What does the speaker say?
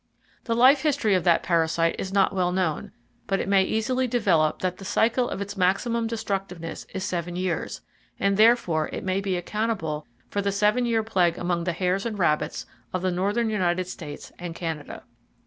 The life history of that parasite is not well known, but it may easily develop that the cycle of its maximum destructiveness is seven years, and therefore it may be accountable for the seven year plague among the hares and rabbits of the northern United States and Canada.